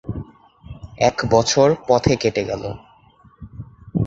এক বছর পথে কেটে গেল।